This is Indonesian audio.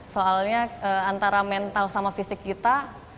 soalnya antara mental sama fisik kita